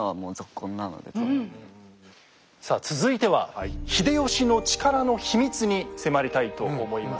さあ続いては秀吉の力の秘密に迫りたいと思います。